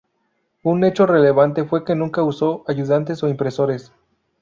Un hecho relevante fue que nunca usó ayudantes o impresores.